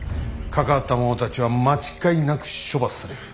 関わった者たちは間違いなく処罰される。